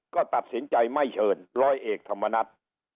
ก็ตัดสินใจไม่เชิญร้อยเอกธรรมนัฐ